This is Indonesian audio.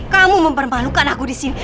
kamu mempermalukan aku di sini